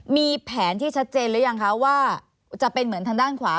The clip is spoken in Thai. มีแผนที่ชัดเจนหรือยังคะว่าจะเป็นเหมือนทางด้านขวา